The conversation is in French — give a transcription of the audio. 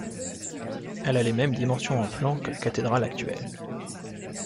Elle a les mêmes dimensions en plan que la cathédrale actuelle.